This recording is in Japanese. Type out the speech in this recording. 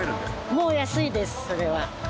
もう安いですそれは。